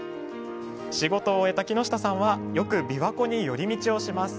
仕事を終えた木下さんはよく琵琶湖に寄り道をします。